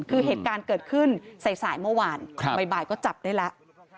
คือเหตุการณ์เกิดขึ้นสายเมื่อวานบ่ายก็จับได้แล้ว